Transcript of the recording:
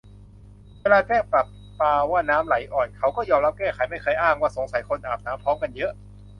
เวลาแจ้งประปาว่าน้ำไหลอ่อน เขาก็ยอมรับแก้ไข ไม่เคยอ้างว่า 'สงสัยคนอาบน้ำพร้อมกันเยอะ'